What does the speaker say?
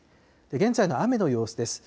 現在の雨の様子です。